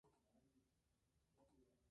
Godoy Cruz de la Primera División de Argentina